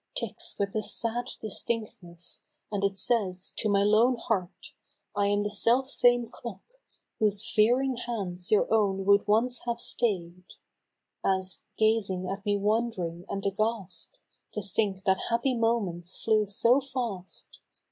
Ticks with a sad distinctness, and it says To my lone heart, " I am the self same clock Whose veeringhands your own would once have stay'd, As, gazing at me wond'ring and aghast To think that happy moments flew so fast.